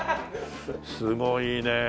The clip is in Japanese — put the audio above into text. すごいねえ。